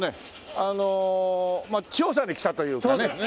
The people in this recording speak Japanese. あの調査で来たというかね。